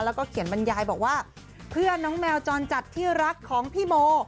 แล้วก็เขียนบรรยายบอกว่าเพื่อนน้องแมวจรจัดที่รักของพี่โม